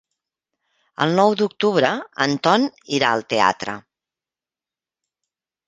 El nou d'octubre en Ton irà al teatre.